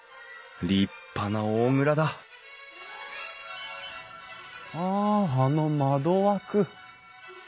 立派な大蔵だああの窓枠。